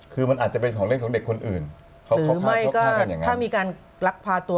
คือมันอาจจะเป็นของเล่นของเด็กคนอื่นเขาเขาไม่ก็ถ้ามีการลักพาตัว